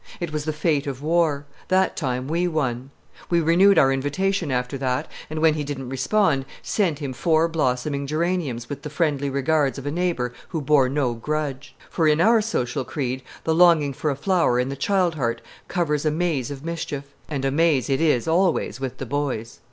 It was the fate of war; that time we won. We renewed our invitation after that, and, when he didn't respond, sent him four blossoming geraniums with the friendly regards of a neighbor who bore no grudge. For in our social creed the longing for a flower in the child heart covers a maze of mischief; and a maze it is always with the boys.